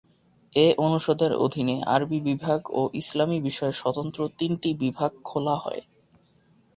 এ অনুষদের অধীনে আরবি বিভাগ ও ইসলামী বিষয়ে স্বতন্ত্র তিনটি বিভাগ খোলা হয়।